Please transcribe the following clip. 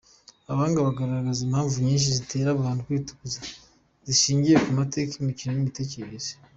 Abahanga bagaragaraza impamvu nyinshi zitera abantu kwitukuza zishingiye ku mateka, imico n’imitekerereze.